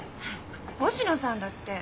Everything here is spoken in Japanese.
星野さんだって。